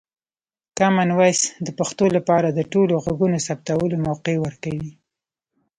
کامن وایس د پښتو لپاره د ټولو غږونو ثبتولو موقع ورکوي.